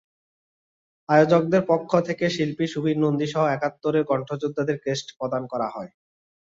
আয়োজকদের পক্ষ থেকে শিল্পী সুবীর নন্দীসহ একাত্তরের কণ্ঠযোদ্ধাদের ক্রেস্ট প্রদান করা হয়।